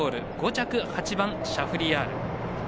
５着、８番、シャフリヤール。